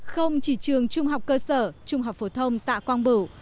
không chỉ trường trung học cơ sở trung học phổ thông tạ quang bửu